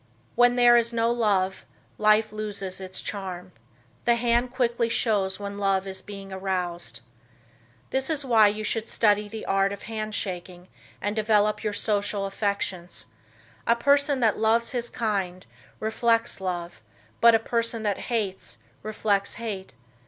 When there is no love, life loses its charm. The hand quickly shows when love is being aroused. This is why you should study the art of hand shaking and develop your social affections. A person that loves his kind reflects love, but a person that hates reflects hate.